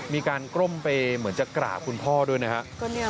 มีการก้มไปเหมือนจะกราบคุณพ่อด้วยนะครับ